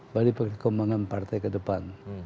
bagi perkembangan partai ke depan